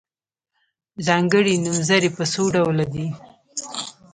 ځانګړي نومځري په څو ډوله دي.